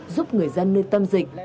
giúp người dân nơi tâm dịch